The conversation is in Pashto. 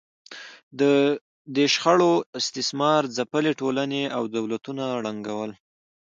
دې شخړو استثمار ځپلې ټولنې او دولتونه ړنګول